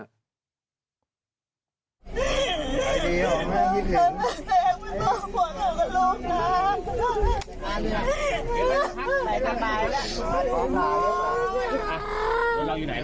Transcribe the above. ใครดีหรอแม่คิดถึง